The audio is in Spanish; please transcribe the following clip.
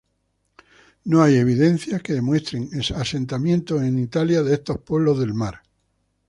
No hay evidencias que demuestren asentamientos en Italia de estos pueblos del mar.